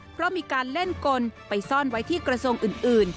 เพราะมีการเล่นกลไปซ่อนไว้ที่กระทรวงอื่น